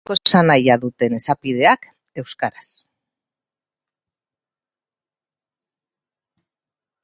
Antzeko esanahia duten esapideak, euskaraz.